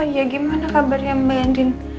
wah iya gimana kabarnya mbak yandin